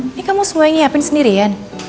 ini kamu semua yang nyiapin sendiri ya